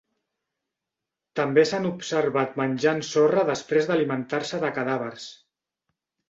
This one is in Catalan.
També s"han observat menjant sorra després d"alimentar-se de cadàvers.